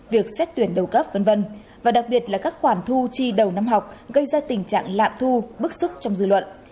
việc xét tuyển đầu cấp v v và đặc biệt là các khoản thu chi đầu năm học gây ra tình trạng lạm thu bức xúc trong dư luận